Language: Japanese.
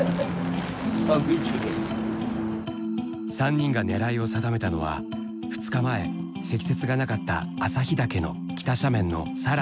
３人が狙いを定めたのは２日前積雪がなかった旭岳の北斜面の更に奥。